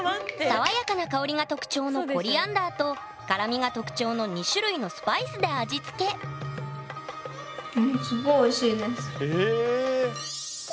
爽やかな香りが特徴のコリアンダーと辛みが特徴の２種類のスパイスで味付けええ！